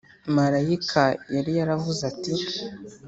marayika yari yaravuze ati